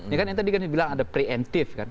ya kan yang tadi kami bilang ada preemptif kan